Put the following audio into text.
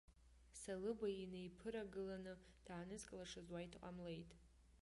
Салыбеи инеиԥырагыланы даанызкылашаз уаҩ дҟамлеит.